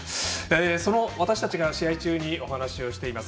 その私たちが試合中にお話ししています